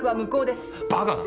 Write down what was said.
バカな。